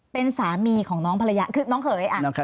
เป็นสามีของน้องภรรยาคือน้องเขย